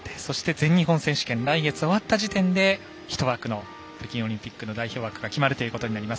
全日本選手権来月終わった時点で１枠の北京オリンピックの代表枠が決まるということになります。